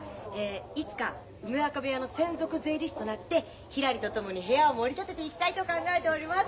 いつか梅若部屋の専属税理士となってひらりと共に部屋をもり立てていきたいと考えております！